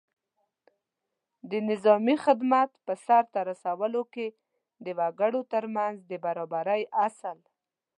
د نظامي خدمت په سرته رسولو کې د وګړو تر منځ د برابرۍ اصل